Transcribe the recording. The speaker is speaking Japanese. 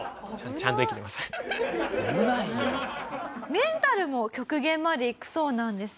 メンタルも極限までいくそうなんです。